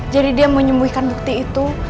jadi dia menyembuhkan bukti itu